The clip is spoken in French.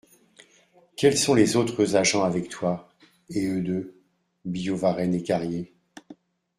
Quels sont les autres agents avec toi et eux deux ? Billaud-Varenne et Carrier.